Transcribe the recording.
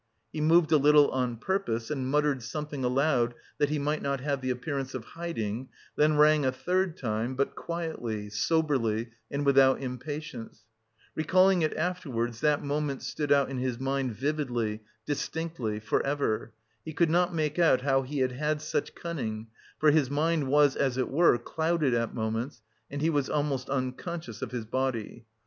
He moved a little on purpose and muttered something aloud that he might not have the appearance of hiding, then rang a third time, but quietly, soberly, and without impatience, Recalling it afterwards, that moment stood out in his mind vividly, distinctly, for ever; he could not make out how he had had such cunning, for his mind was as it were clouded at moments and he was almost unconscious of his body....